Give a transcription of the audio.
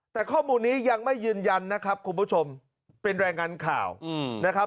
แต่ข้อมูลนี้ยังไม่ยืนยันนะครับคุณผู้ชมเป็นรายงานข่าวนะครับ